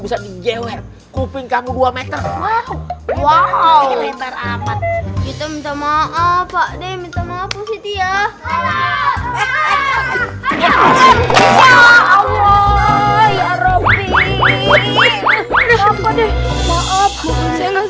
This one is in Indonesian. bisa di jelur kuping kamu dua meter wow wow lebar amat itu minta maaf pak